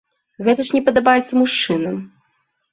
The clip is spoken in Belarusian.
Гэта ж не падабаецца мужчынам!